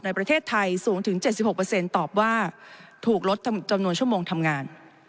ในประเทศไทยสูงถึง๗๖ตอบว่าถูกลดจำนวนชั่วโมงทำงาน